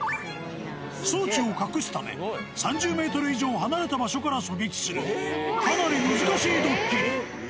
装置を隠すため、３０メートル以上離れた場所から狙撃する、かなり難しいドッキリ。